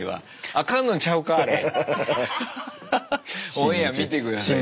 オンエア見て下さいそれは。